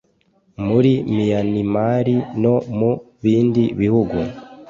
muri Miyanimari no mu bindi bihugu